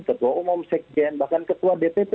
ketua umum sekjen bahkan ketua dpp